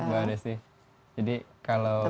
jadi kalau di kansas